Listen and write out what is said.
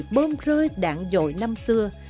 bôm rơi đạn dội năm xưa